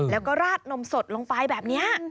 แล้วก็ราดนมสดลงไปแบบนี้